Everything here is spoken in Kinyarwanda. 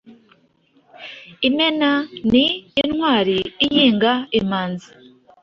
Imena ni intwari iyinga Imanzi,